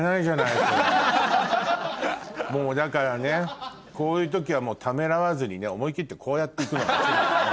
もうだからねこういう時はためらわずにね思い切ってこうやって行くのよ。